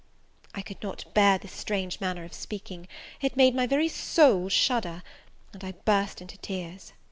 I could not bear this strange manner of speaking; it made my very soul shudder, and I burst into tears.